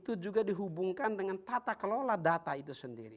itu juga dihubungkan dengan tata kelola data itu sendiri